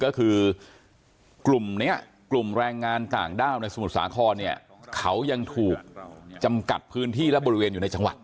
ก็คือกลุ่มนี้กลุ่มแรงงานต่างด้าวในสมุทรสาครเนี่ยเขายังถูกจำกัดพื้นที่และบริเวณอยู่ในจังหวัด